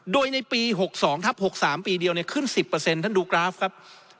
โดยในปี๖๒ทับ๖๓ปีเดียวขึ้น๑๐ท่านดูกราฟครับ